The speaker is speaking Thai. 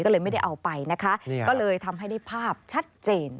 ก็เลยไม่ได้เอาไปนะคะก็เลยทำให้ได้ภาพชัดเจน